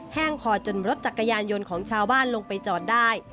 คอจนรถจักรยานยนต์ของชาวบ้านลงไปจอดได้